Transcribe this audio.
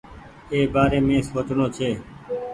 اي بآري سوچڻو ڇي۔